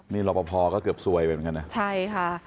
นี่รอปภก็เกือบซวยไปเหมือนกันนะใช่ค่ะ